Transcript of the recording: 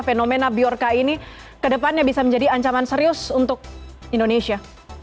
fenomena biorca ini kedepannya bisa menjadi ancaman serius untuk indonesia